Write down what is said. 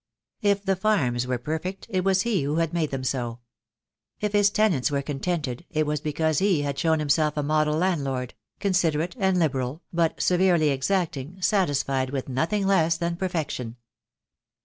If the farms were per fect it was he who had made them so. If his tenants were contented it was because he had shown himself a model landlord — considerate and liberal, but severely exacting, satisfied with nothing less than perfection.